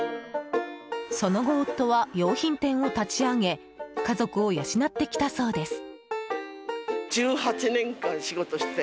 その後、夫は洋品店を立ち上げ家族を養ってきたそうです。